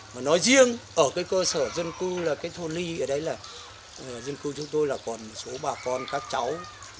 mà nói riêng ở cái cơ sở dân cư là cái thôn ly ở đấy là dân cư chúng tôi là còn một số bà con các cháu